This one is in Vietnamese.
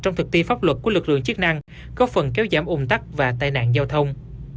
trong thực thi pháp luật của lực lượng chức năng góp phần kéo giảm ủng tắc và tai nạn giao thông